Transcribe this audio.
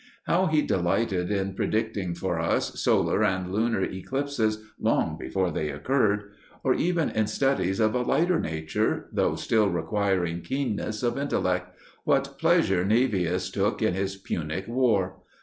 How he delighted in predicting for us solar and lunar eclipses long before they occurred! Or again in studies of a lighter nature, though still requiring keenness of intellect, what pleasure Naevius took in his Punic War!